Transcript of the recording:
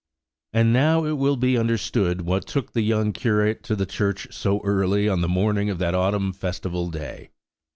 And now it will be understood what took the young curate to the church so early, on the morning of that autumn festival day.